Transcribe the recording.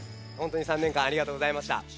ほんとに３年間ありがとうございました。